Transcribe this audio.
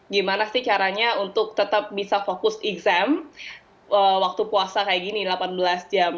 gimana sih caranya untuk tetap bisa fokus exam waktu puasa kayak gini delapan belas jam